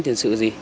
tiền sự gì